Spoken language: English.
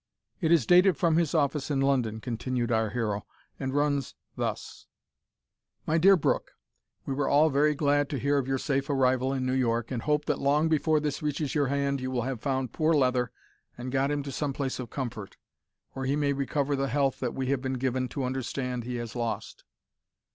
"It is dated from his office in London," continued our hero, "and runs thus: "MY DEAR BROOKE, We were all very glad to hear of your safe arrival in New York, and hope that long before this reaches your hand you will have found poor Leather and got him to some place of comfort, where he may recover the health that we have been given to understand he has lost.